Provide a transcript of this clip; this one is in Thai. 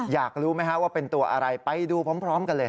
อยากรู้ไหมฮะว่าเป็นตัวอะไรไปดูพร้อมกันเลย